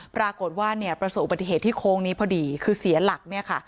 ปรากฏว่าเนี่ยประสบอุบัติเหตุที่โค้งนี้พอดีคือเสียหลักเนี่ยค่ะ